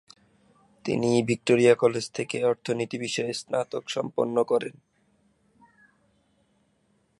তিনি Victoria college থেকে অর্থনীতি বিষয়ে স্নাতক সম্পন্ন করেন।